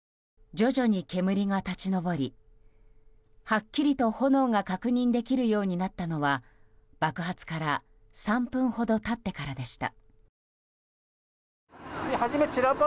徐々に煙が立ち上りはっきりと炎が確認できるようになったのは爆発から３分ほど経ってからでした。